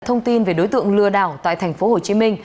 thông tin về đối tượng lừa đảo tại tp hcm